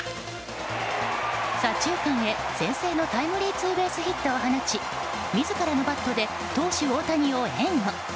左中間へ、先制のタイムリーツーベースヒットを放ち自らのバットで投手・大谷を援護。